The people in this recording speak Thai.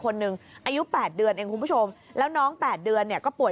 คนหนึ่งอายุ๘เดือนเองคุณผู้ชมแล้วน้อง๘เดือนเนี่ยก็ป่วย